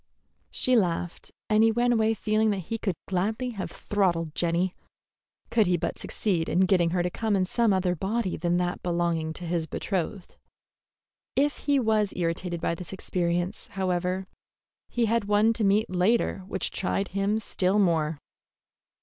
She laughed, and he went away feeling that he could gladly have throttled Jenny, could he but succeed in getting her in some other body than that belonging to his betrothed. If he was irritated by this experience, however, he had one to meet later which tried him still more.